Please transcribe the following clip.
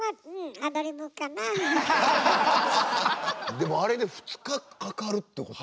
でもあれで２日かかるってこと？